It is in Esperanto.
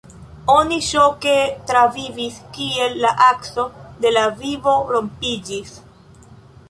Oni ŝoke travivis kiel la akso de la vivo rompiĝis.